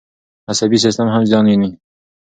عصبي سیستم هم زیان ویني.